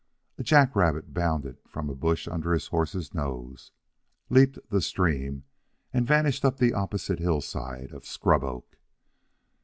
A jack rabbit bounded from a bush under his horse's nose, leaped the stream, and vanished up the opposite hillside of scrub oak.